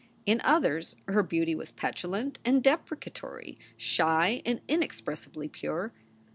In others her beauty was petulant and deprecatory, shy and inexpressibly pure.